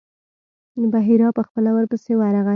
بحیرا په خپله ورپسې ورغی.